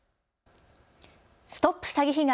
ＳＴＯＰ詐欺被害！